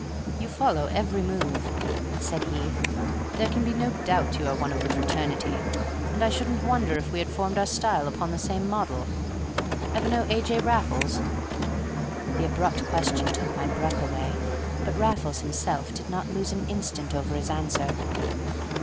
"You follow every move," said he; "there can be no doubt you are one of the fraternity; and I shouldn't wonder if we had formed our style upon the same model. Ever know A. J. Raffles?" The abrupt question took my breath away; but Raffles himself did not lose an instant over his answer.